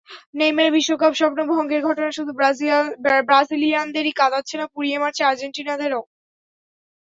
নেইমারের বিশ্বকাপ-স্বপ্ন ভঙ্গের ঘটনা শুধু ব্রাজিলিয়ানদেরই কাঁদাচ্ছে না, পুড়িয়ে মারছে আর্জেন্টাইনদেরও।